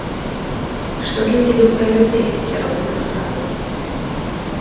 Што для цябе ў прыярытэце сярод гэтых справаў?